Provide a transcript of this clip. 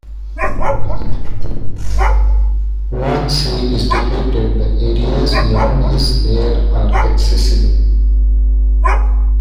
Once he is defeated, the areas beyond his lair are accessible.